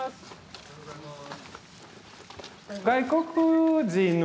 おはようございます。